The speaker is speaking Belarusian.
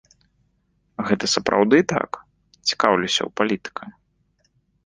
Гэта сапраўды так, цікаўлюся ў палітыка?